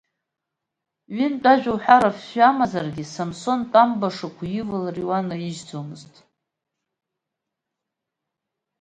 Ҩынтә ажәа уҳәар афҩы амазаргьы, Самсон тәамбашақә уивалар иуанаижьӡомызт.